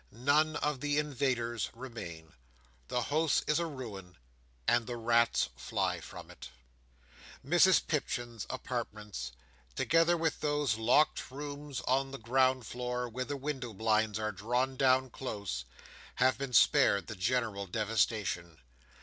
None of the invaders remain. The house is a ruin, and the rats fly from it. Mrs Pipchin's apartments, together with those locked rooms on the ground floor where the window blinds are drawn down close, have been spared the general devastation.